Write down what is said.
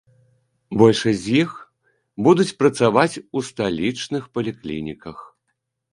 Большасць з іх будуць працаваць у сталічных паліклініках.